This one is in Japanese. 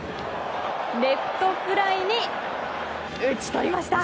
レフトフライに打ち取りました。